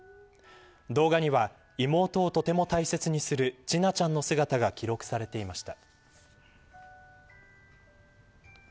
動画には妹をとても大切にする千奈ちゃんの姿が記録されていました。